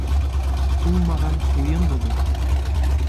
Уңмаған уйын боҙор.